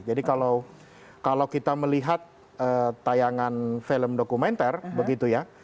jadi kalau kita melihat tayangan film dokumenter begitu ya